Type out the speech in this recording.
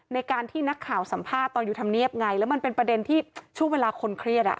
ในการที่นักข่าวสัมภาษณ์ตอนอยู่ธรรมเนียบไงแล้วมันเป็นประเด็นที่ช่วงเวลาคนเครียดอ่ะ